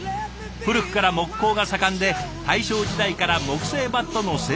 古くから木工が盛んで大正時代から木製バットの生産を開始。